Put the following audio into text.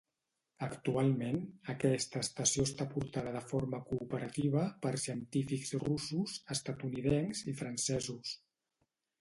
Actualment aquesta estació està portada de forma cooperativa per científics russos, estatunidencs i francesos.